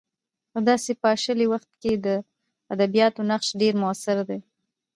په داسې پاشلي وخت کې د ادبیاتو نقش ډېر موثر دی.